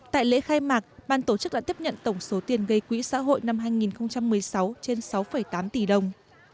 tại lễ khai mạc ban tổ chức đã tiếp nhận tổng số tiền gây quỹ xã hội năm hai nghìn một mươi sáu trên sáu tám tỷ đồng